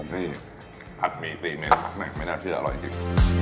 ให้ผักหมี๔เมตรไม่น่าเชื่ออร่อยจริง